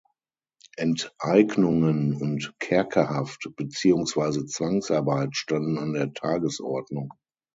Enteignungen und Kerkerhaft beziehungsweise Zwangsarbeit standen an der Tagesordnung.